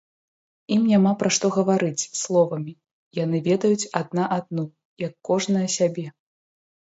Ім няма пра што гаварыць словамі, яны ведаюць адна адну, як кожная сябе.